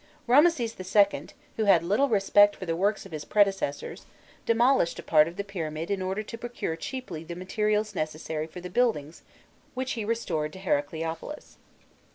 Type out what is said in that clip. Ramses II., who had little respect for the works of his predecessors, demolished a part of the pyramid in order to procure cheaply the materials necessary for the buildings which he restored to Heracleopolis.